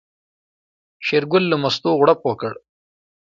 شېرګل له مستو غوړپ وکړ.